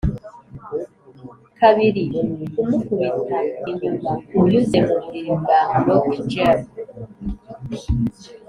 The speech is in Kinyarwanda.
kabiri, kumukubita inyuma, unyuze muburiri bwa lockjaw